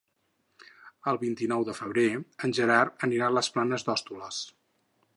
El vint-i-nou de febrer en Gerard anirà a les Planes d'Hostoles.